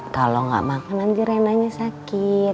kalau gak makan nanti renanya sakit